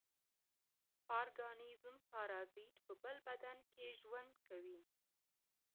پارګانېزم پارازیت په بل بدن کې ژوند کوي.